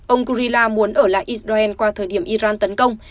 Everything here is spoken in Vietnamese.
ông kurila muốn ở lại israel qua thời điểm iran tấn công